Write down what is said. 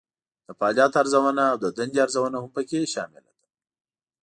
د فعالیت ارزونه او د دندې ارزونه هم پکې شامله ده.